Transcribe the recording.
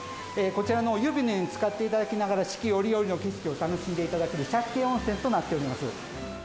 こちらの湯船につかっていただきながら、四季折々の季節を楽しんでいただける借景温泉となっております。